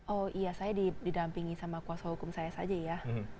oh iya saya didampingi sama kuasa hukum saya saja ya